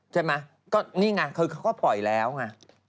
ใช่ไหมก็นี่ไงคือเขาก็ปล่อยแล้วไง